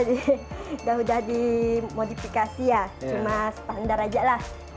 udah udah dimodifikasi ya cuma standar aja lah